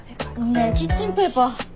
ねえキッチンペーパー。